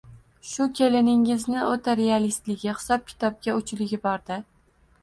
shu kelingizning o`ta realistligi, hisob-kitobga o`chligi bor-da